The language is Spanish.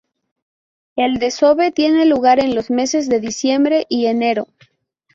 El desove tiene lugar en los meses de diciembre y enero.